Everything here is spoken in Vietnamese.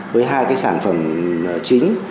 với hai cái sản phẩm chính